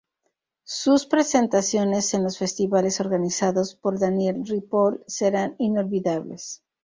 Sus presentaciones en los festivales organizados por Daniel Ripoll serán inolvidables.